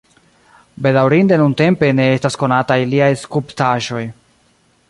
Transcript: Bedaŭrinde nuntempe ne estas konataj liaj skulptaĵoj.